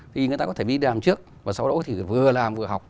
thì người ta có thể đi làm trước và sau đó thì vừa làm vừa học